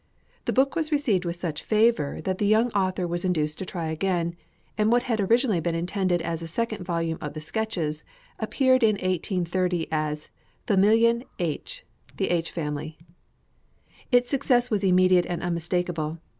The book was received with such favor that the young author was induced to try again; and what had originally been intended as a second volume of the 'Sketches' appeared in 1830 as 'Familjen H.' (The H. Family). Its success was immediate and unmistakable.